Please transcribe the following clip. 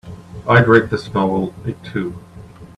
I'd rate this novel a two